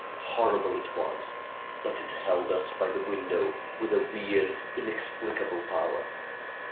Horrible it was! But it held us by the window with a weird, inexplicable power.